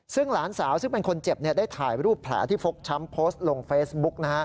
ซึ่งหลานสาวซึ่งเป็นคนเจ็บได้ถ่ายรูปแผลที่ฟกช้ำโพสต์ลงเฟซบุ๊ก